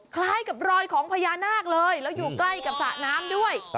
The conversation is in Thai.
คล้ายกับรอยของพญานาคเลยแล้วอยู่ใกล้กับสระน้ำด้วย